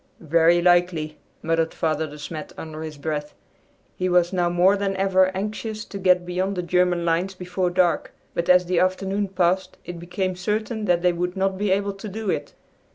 "Very likely," muttered Father De Smet under his breath. He was now more than ever anxious to get beyond the German lines before dark, but as the afternoon passed it became certain that they would not be able to do it.